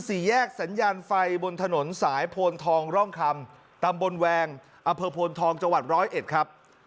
สี่แยกสัญญาณไฟบนถนนสายโพนทองร่องคำตำบลแวงอำเภอโพนทองจังหวัดร้อยเอ็ดครับ